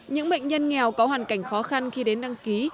những bệnh nhân nghèo có hoàn cảnh khó khăn khi đến đăng ký